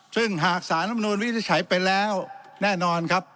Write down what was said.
ซึ่งหากสารรัฐมนุนวินิจฉัยไปแล้วแน่นอนครับ